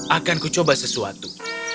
akanku coba sesuatu